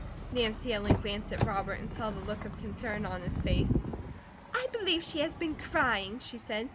Nancy Ellen glanced at Robert, and saw the look of concern on his face. "I believe she has been crying," she said.